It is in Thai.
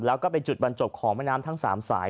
แล้วก็เป็นจุดบรรจบของแม่น้ำทั้ง๓สาย